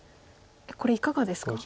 これいかがですか？